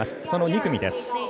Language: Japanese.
その２組です。